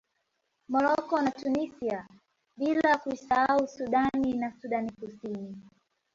Morocco na Tunisia bila kuisahau Sudan na Sudani Kusini